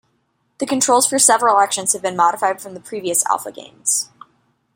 The controls for several actions have been modified from the previous "Alpha" games.